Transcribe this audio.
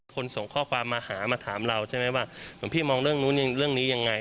ส่งข้อความมาหามาถามเราใช่ไหมว่าหลวงพี่มองเรื่องนู้นเรื่องนี้ยังไง